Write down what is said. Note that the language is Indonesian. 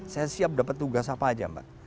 saya siap dapat tugas apa saja pak